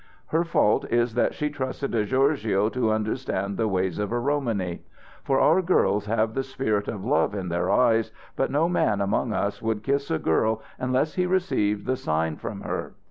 "Her fault is that she trusted a gorgio to understand the ways of a Romany. For our girls have the spirit of love in their eyes, but no man among us would kiss a girl unless he received the sign from her.